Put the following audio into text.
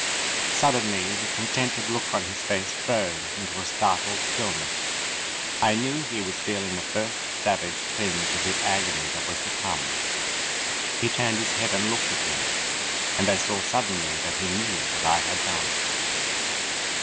Suddenly the contented look on his face froze into a startled stillness. I knew he was feeling the first savage twinge of the agony that was to come. He turned his head and looked at me, and I saw suddenly that he knew what I had done.